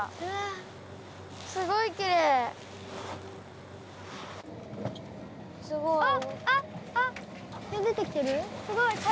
えすごい！